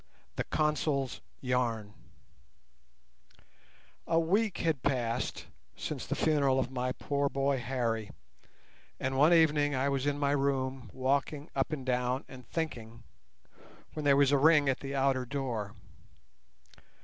THE CONSUL'S YARN A week had passed since the funeral of my poor boy Harry, and one evening I was in my room walking up and down and thinking, when there was a ring at the outer door.